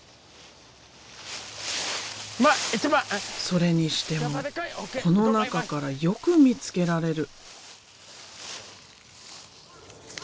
それにしてもこの中からよく見つけられる。